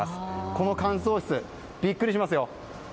この乾燥室、ビックリしますよ。